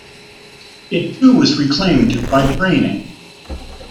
It too was reclaimed by draining.